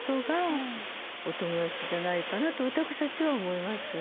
じゃないかなと私たちは思いますが？